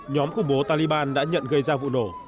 nhóm khủng bố taliban đã nhận gây ra vụ nổ